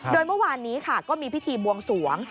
โดยเมื่อวานนี้ค่ะก็มีพิธีบวงสวง